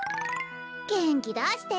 げんきだして。